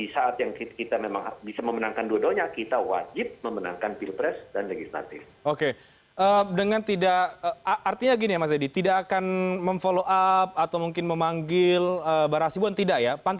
saya yakin apa yang dilakukan itu tidak seperti yang diberitakan